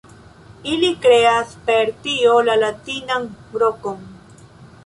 Ili kreas per tio la latinan rokon.